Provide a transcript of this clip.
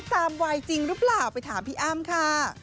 ไวจริงหรือเปล่าไปถามพี่อ้ำค่ะ